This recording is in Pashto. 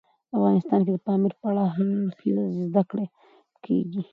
افغانستان کې د پامیر په اړه هر اړخیزه زده کړه کېږي.